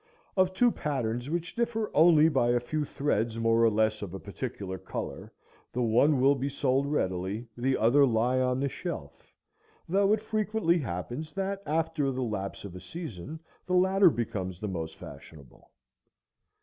Of two patterns which differ only by a few threads more or less of a particular color, the one will be sold readily, the other lie on the shelf, though it frequently happens that after the lapse of a season the latter becomes the most fashionable.